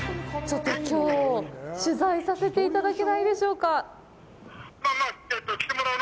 ちょっと、きょう、取材させていただけないでしょうか。